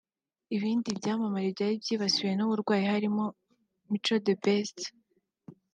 Ibindi byamamare byari byibasiwe n’uburwayi harimo Mico The Best